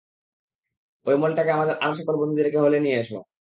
ওই মলটাকে আমাদের আরো সকল বন্দিদেরকে হলে নিয়ে আসো।